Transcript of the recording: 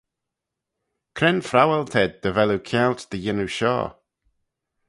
Cre'n phrowal t'ayd dy vel oo kianglt dy yannoo shoh?